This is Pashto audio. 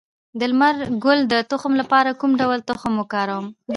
د لمر ګل د تخم لپاره کوم ډول تخم وکاروم؟